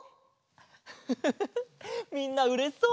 フフフフフみんなうれしそう！